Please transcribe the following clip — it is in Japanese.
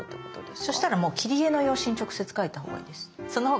そしたらもう切り絵の用紙に直接描いたほうがいいです。